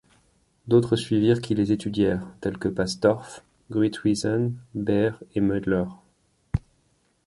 D’autres suivirent qui les étudièrent, tels que Pastorff, Gruithuysen, Beer et Mœdler.